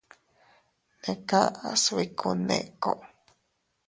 Neʼe kaʼas biku Nneeko.